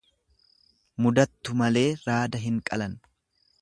Mudattu malee raada hin qalan.